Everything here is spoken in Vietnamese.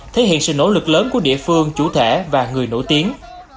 thể hiện sự nỗ lực lớn của địa phương chủ thể và người nổi tiếng